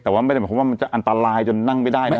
แต่ไม่ได้บอกว่ามันจะอันตรายจนนั่งไม่ได้นะ